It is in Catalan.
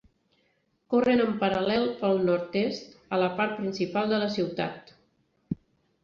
Corren en paral·lel pel nord-est, a la part principal de la ciutat.